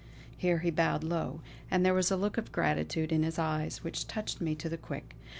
Here he bowed low, and there was a look of gratitude in his eyes which touched me to the quick.